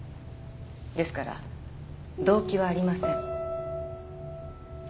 ですから動機はありません。